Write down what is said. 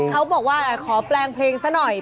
เขาบอกว่าขอแปลงเพลงซะหน่อย